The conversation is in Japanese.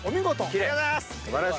ありがとうございます。